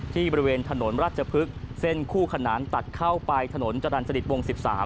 บริเวณถนนราชพฤกษ์เส้นคู่ขนานตัดเข้าไปถนนจรรย์สนิทวง๑๓